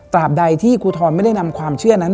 บใดที่ครูทรไม่ได้นำความเชื่อนั้น